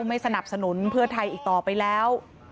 ไม่สนับสนุนเพื่อไทยอีกต่อไปแล้ว